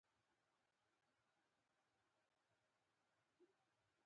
د کمونېست ګوند غوښتنو پر ځای دنده جدي وای.